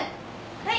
はい。